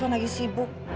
taufan lagi sibuk